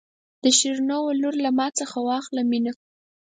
د شیرینو ولور له ما څخه واخله مینه.